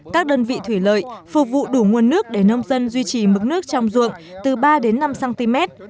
các đơn vị thủy lợi phục vụ đủ nguồn nước để nông dân duy trì mức nước trong ruộng từ ba đến năm cm